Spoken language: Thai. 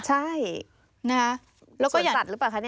ใช่ส่วนสัตว์หรือเปล่าคะเนี่ย